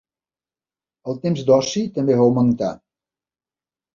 El temps d'oci també va augmentar.